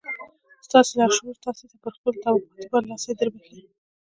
ستاسې لاشعور تاسې ته پر خپلو توقعاتو برلاسي دربښي